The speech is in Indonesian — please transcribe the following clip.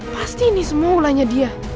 pasti ini semua ulahnya dia